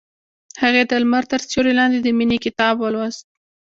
هغې د لمر تر سیوري لاندې د مینې کتاب ولوست.